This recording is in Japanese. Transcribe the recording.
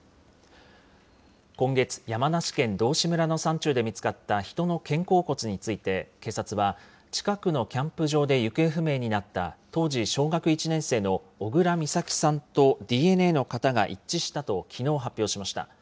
今月、山梨県道志村の山中で見つかった人の肩甲骨について、警察は、近くのキャンプ場で行方不明になった当時小学１年生の小倉美咲さんとＤＮＡの型が一致したときのう、発表しました。